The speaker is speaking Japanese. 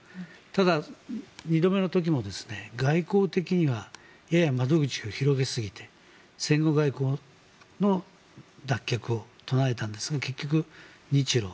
ただ、２度目の時も外交的にはやや窓口を広げすぎて戦後外交の脱却を唱えたんですが結局、日ロ、